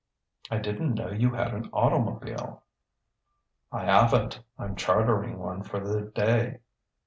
"I didn't know you had an automobile." "I haven't; I'm chartering one for the day."